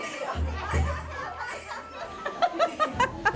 アハハハハ。